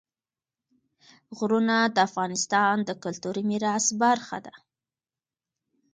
غرونه د افغانستان د کلتوري میراث برخه ده.